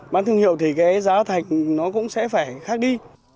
bán thương hiệu thì cái giá thạch nó cũng sẽ phải khác đi